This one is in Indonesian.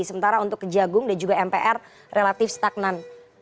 sementara untuk kejagung dan juga mpr relatif stagnan